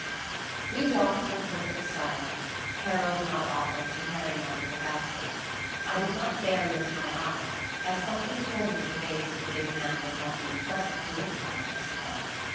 We walked in perfect silence, Harold not offering to carry my little basket. I did not dare lift my eyes, as something told me the face of the big man would not be pleasant to look upon just then.